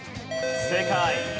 正解。